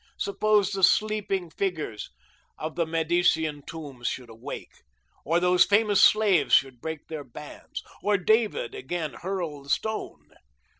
Suppose the sleeping figures of the Medician tombs should wake, or those famous slaves should break their bands, or David again hurl the stone.